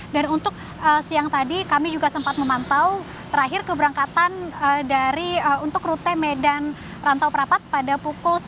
dan untuk siang tadi kami juga sempat memantau terakhir keberangkatan untuk rute medan rantau prapat pada pukul sepuluh dua puluh lima tadi